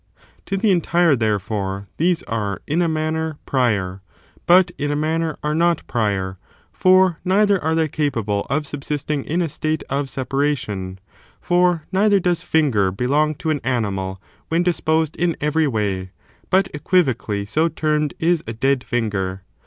To the entire, therefore, these are, in a manner, prior, but, in a manner, are not prior; for neither are they capable of subsisting in a state of separation ; for neither does finger belong to an animal when disposed in every way, but equivocally so termed is a dead finger.